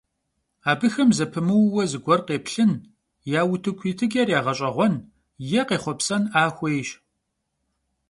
Abıxem zepımıuue zıguer khêplhın, ya vutıku yitıç'er yağeş'eğuen yê khêxhuepsen'a xuêyş.